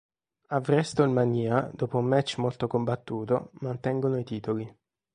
A Wrestlemania, dopo un match molto combattuto, mantengono i titoli.